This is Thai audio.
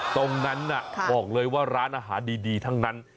ตรงนั้นบอกเลยว่าร้านอาหารดีทั้งนั้น